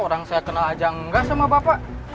orang saya kenal aja enggak sama bapak